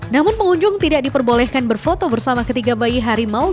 namun pengunjung tidak diperbolehkan berfoto bersama ketiga bayi harimau